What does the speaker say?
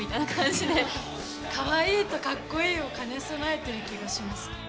かわいいとかっこいいを兼ね備えてる気がします。